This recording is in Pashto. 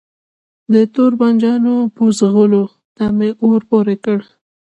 د توربانجانو بوزغلو ته می اور پوری کړ